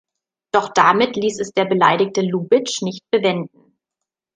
Doch damit ließ es der beleidigte Lubitsch nicht bewenden.